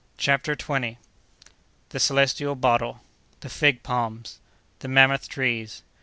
CHAPTER TWENTIETH. The Celestial Bottle.—The Fig Palms.—The Mammoth Trees.